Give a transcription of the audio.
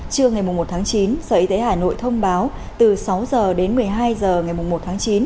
trưa ngày một tháng chín sở y tế hà nội thông báo từ sáu h đến một mươi hai h ngày một tháng chín